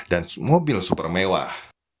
dan mobil super mewah